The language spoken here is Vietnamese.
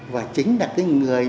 và chính là cái người